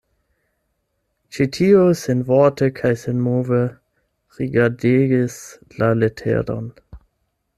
Ĉi tiu senvorte kaj senmove rigardegis la leteron.